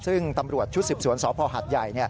ซึ่งตำรวจชุดสืบสวนสพหัดใหญ่